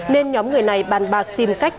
nên nhóm người này bàn bạc tìm cách